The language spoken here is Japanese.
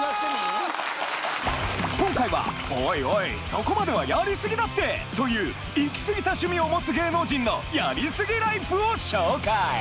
今回はおいおいそこまではやりすぎだって！という行き過ぎた趣味を持つ芸能人のやりすぎライフを紹介！